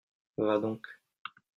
Va donc !